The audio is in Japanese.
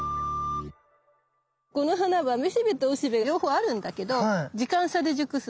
この花はめしべとおしべ両方あるんだけど時間差で熟すの。